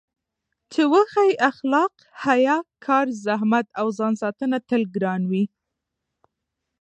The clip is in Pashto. چې وښيي اخلاق، حیا، کار، زحمت او ځانساتنه تل ګران وي.